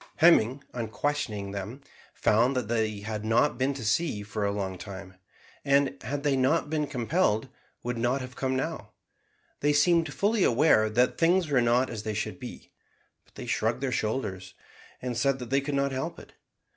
Hemming, on questioning them, found that they had not been to sea for a long time, and, had they not been compelled, would not have come now. They seemed fully aware that things were not as they should be; but they shrugged their shoulders, and said that they could not help it.